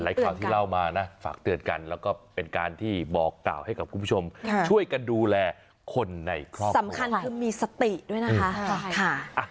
ข่าวที่เล่ามานะฝากเตือนกันแล้วก็เป็นการที่บอกกล่าวให้กับคุณผู้ชมช่วยกันดูแลคนในครอบครัวสำคัญคือมีสติด้วยนะคะ